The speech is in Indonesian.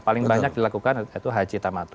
paling banyak dilakukan itu haji tama to